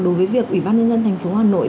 đối với việc ủy ban nhân dân thành phố hà nội